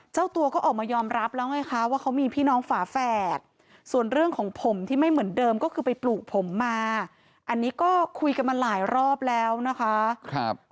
เจ้าตัวก็ออกมายอมรับแล้วไงคะว่าเขามีพี่น้องฝาแฝดส่วนเรื่องของผมที่ไม่เหมือนเดิมก็คือไปปลูกผมมาอันนี้ก็คุยกันมาหลายรอบแล้วนะคะ